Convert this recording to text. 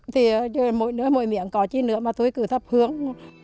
thì mỗi nơi mỗi miệng có chi nữa mà tôi cứ thấp hướng